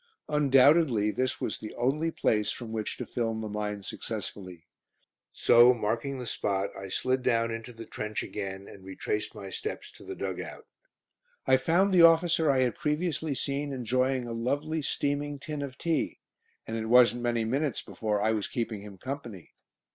Undoubtedly this was the only place from which to film the mine successfully. So marking the spot I slid down into the trench again, and retraced my steps to the dug out. I found the officer I had previously seen enjoying a lovely, steaming tin of tea, and it wasn't many minutes before I was keeping him company.